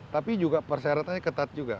tapi juga persyaratannya ketat juga